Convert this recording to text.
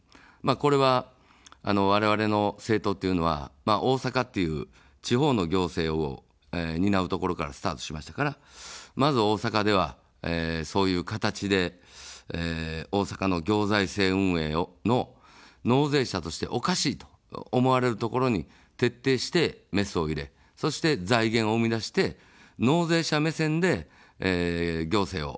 これは、われわれの政党というのは大阪という地方の行政を担うところからスタートしましたから、まず大阪では、そういう形で、大阪の行財政運営の納税者としておかしいと思われるところに徹底してメスを入れ、そして財源を生み出して納税者目線で、行政を動かしてきた。